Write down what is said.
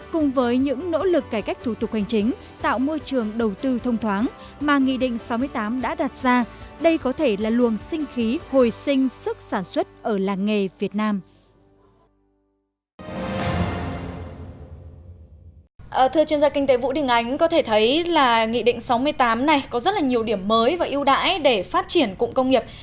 cùng với những nỗ lực cải cách thủ tục hành chính tạo môi trường đầu tư thông thoáng mà nghị định sáu mươi tám đã đặt ra đây có thể là luồng sinh khí hồi sinh sức sản xuất ở làng nghề việt nam